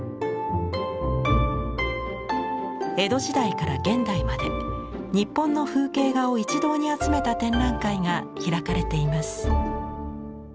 江戸時代から現代まで日本の風景画を一堂に集めた展覧会が開かれています。